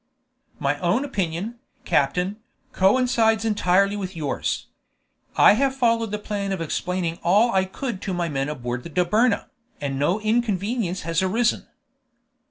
"My own opinion, captain, coincides entirely with yours. I have followed the plan of explaining all I could to my men on board the Dobryna, and no inconvenience has arisen."